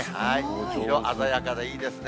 色鮮やかでいいですね。